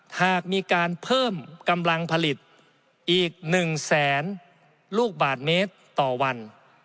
หากมีการเพิ่มกำลังผลิตอีก๑แสนลูกบาทเมตรต่อวัน